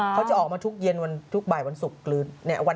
เขาจะออกมาทุกเย็นทุกบ่ายวันศุกร์